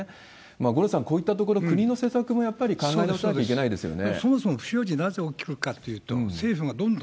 五郎さん、こういったところ、国の政策もやっぱり考えなくてはいけないですよね。